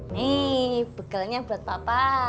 nih begalnya buat papa